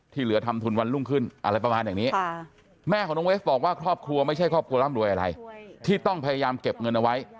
เหลือทำทุนวันรุ่งขึ้นอะไรประมาณอย่างนี้แม่ของน้องเวฟบอกว่าครอบครัวไม่ใช่ครอบครัวร่ำรวยอะไรที่ต้องพยายามเก็บเงินเอาไว้